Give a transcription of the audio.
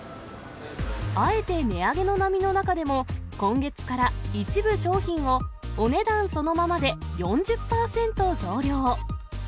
あえて値上げの波の中でも、今月から一部商品をお値段そのままで４０％増量。